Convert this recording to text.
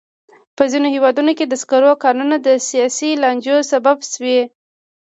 په ځینو هېوادونو کې د سکرو کانونه د سیاسي لانجو سبب شوي.